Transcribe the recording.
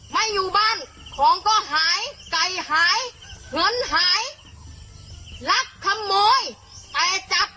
ไม่อยู่บ้านของก็หายไก่หายเงินหายรักขโมยแต่จับ